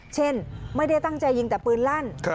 เช่นไม่ได้ตั้งใจยิงแต่ปืนลั่น